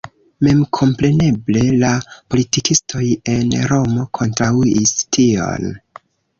Memkompreneble la politikistoj en Romo kontraŭis tion.